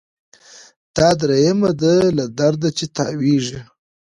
دا دریمه ده له درده چي تاویږي